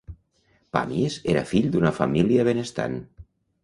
Pàmies era fill d'una família benestant.